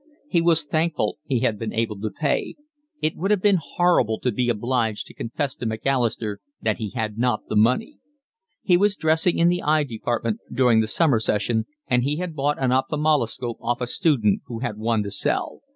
He was thankful he had been able to pay. It would have been horrible to be obliged to confess to Macalister that he had not the money. He was dressing in the eye department during the summer session, and he had bought an ophthalmoscope off a student who had one to sell.